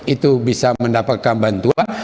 itu bisa mendapatkan bantuan